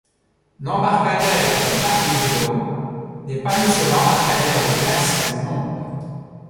L'embarcadère de McMurdo n'est pas le seul embarcadère de glace du monde.